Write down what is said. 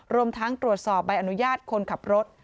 รวมทั้งตรวจสอบใบอนุญาตคนขับรถ